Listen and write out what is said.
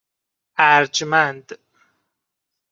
اَرجمند